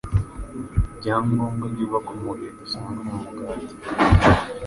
byangombwa byubaka umubiri dusanga mu mugati